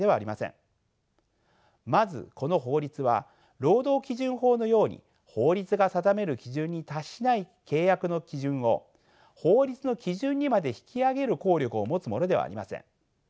まずこの法律は労働基準法のように法律が定める基準に達しない契約の基準を法律の基準にまで引き上げる効力を持つものではありません。